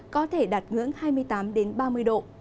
có thể đạt ngưỡng hai mươi tám ba mươi độ